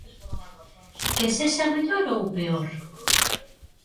Que sexa mellor ou peor?